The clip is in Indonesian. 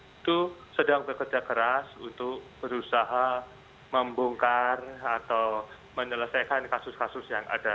itu sedang bekerja keras untuk berusaha membongkar atau menyelesaikan kasus kasus yang ada